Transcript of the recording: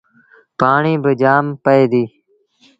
پآڻيٚ با جآم پيٚئي ديٚ۔